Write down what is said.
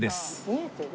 見えてる？